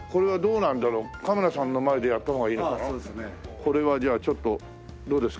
これはじゃあちょっとどうですか？